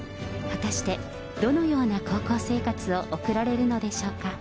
果たしてどのような高校生活を送られるのでしょうか。